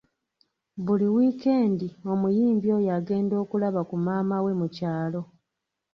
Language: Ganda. Buli wiikendi omuyimbi oyo agenda okulaba ku maama we mu kyalo.